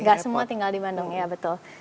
enggak semua tinggal di bandung iya betul